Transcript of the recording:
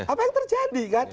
apa yang terjadi kan